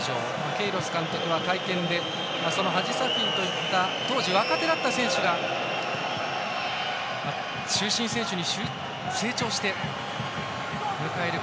ケイロス監督は会見で、ハジサフィといった当時、若手だった選手が中心選手に成長して向かえる